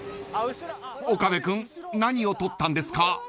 ［岡部君何を撮ったんですか？］